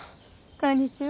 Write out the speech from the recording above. こんにちは。